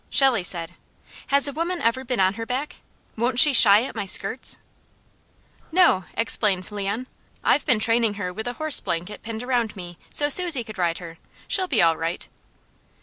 Shelley said: "Has a woman ever been on her back? Won't she shy at my skirts?" "No," explained Leon. "I've been training her with a horse blanket pinned around me, so Susie could ride her! She'll be all right."